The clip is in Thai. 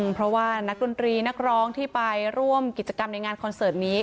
เพราะว่านักดนตรีนักร้องที่ไปร่วมกิจกรรมในงานคอนเสิร์ตนี้